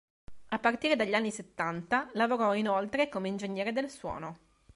A partire dagli anni settanta lavorò inoltre come ingegnere del suono.